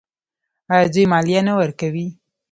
آیا دوی مالیه نه ورکوي؟